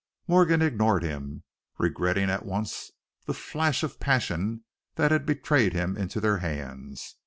Morgan ignored him, regretting at once the flash of passion that had betrayed him into their hands.